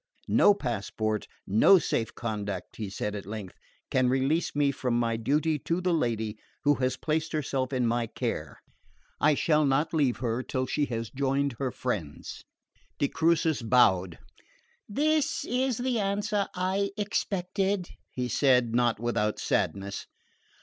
"No passport, no safe conduct," he said at length, "can release me from my duty to the lady who has placed herself in my care. I shall not leave her till she has joined her friends." De Crucis bowed. "This is the answer I expected," he said, not without sadness.